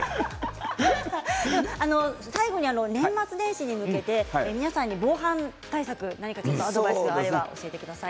最後に年末年始に向けて皆さんに防犯対策へ何かアドバイスがあれば教えてください。